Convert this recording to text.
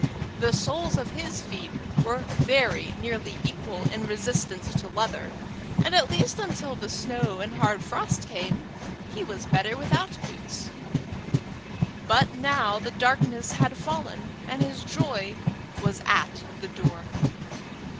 The soles of his feet were very nearly equal in resistance to leather, and at least until the snow and hard frost came, he was better without boots. But now the darkness had fallen, and his joy was at the door.